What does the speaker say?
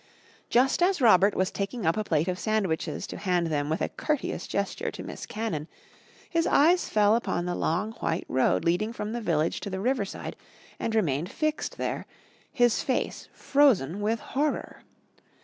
Just as Robert was taking up a plate of sandwiches to hand them with a courteous gesture to Miss Cannon, his eyes fell upon the long, white road leading from the village to the riverside and remained fixed there, his face frozen with horror.